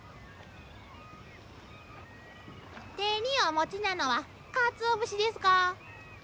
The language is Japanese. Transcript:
手にお持ちなのはかつお節ですか？